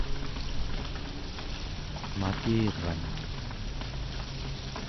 makiran